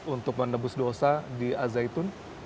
untuk menebus dosa di azzaytun